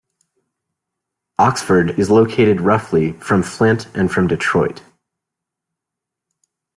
Oxford is located roughly from Flint and from Detroit.